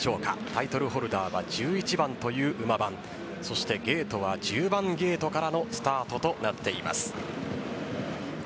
タイトルホルダーは１１番という馬番そしてゲートは１０番ゲートからのスタートとなっています。